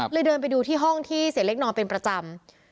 เดินไปดูที่ห้องที่เสียเล็กนอนเป็นประจำ